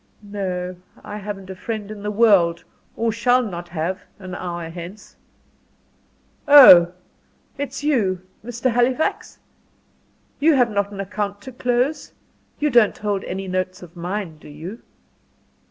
"No, I haven't a friend in the world, or shall not have an hour hence. Oh! it's you, Mr. Halifax? You have not an account to close? You don't hold any notes of mine, do you?"